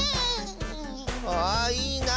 あいいな。